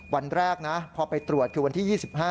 วันแรกนะพอไปตรวจคือวันที่๒๕